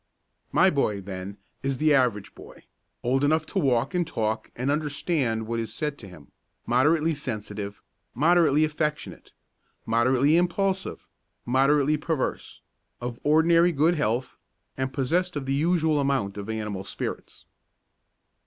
My boy, then, is the average boy, old enough to walk and talk and understand what is said to him, moderately sensitive, moderately affectionate, moderately impulsive, moderately perverse, of ordinarily good health, and possessed of the usual amount of animal spirits.